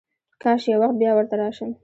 کاش یو وخت بیا ورته راشم.